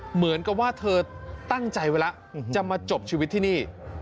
เหมือนกับว่าเธอตั้งใจไว้แล้วจะมาจบชีวิตที่นี่